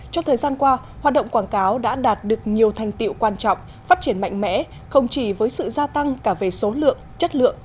trong thời gian qua hoạt động quảng cáo đã đạt được nhiều thành tiệu quan trọng phát triển mạnh mẽ không chỉ với sự gia tăng cả về số lượng chất lượng